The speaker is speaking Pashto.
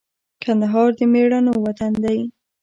کندهار د مېړنو وطن دی